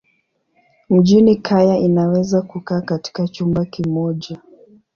Mjini kaya inaweza kukaa katika chumba kimoja.